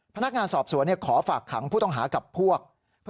พนักงานสอบสวนขอฝากขังผู้ต้องหากับพวก